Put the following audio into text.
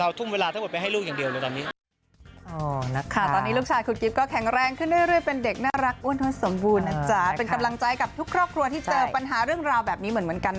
เอาทุ่มเวลาทั้งหมดไปให้ลูกอย่างเดียวเลยตอนนี้